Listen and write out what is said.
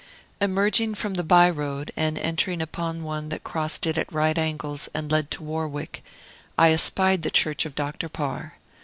Emerging from the by road, and entering upon one that crossed it at right angles and led to Warwick, I espied the church of Dr. Parr.